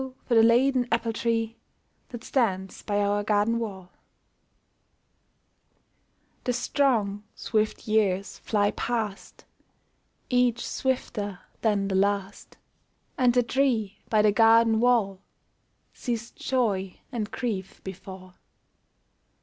for the laden apple tree That stands by our garden wall !" The strong swift years fly past. Each swifter than the last ; 412 THE APPLE TREE And the tree by the garden wall Sees joy and grief befall.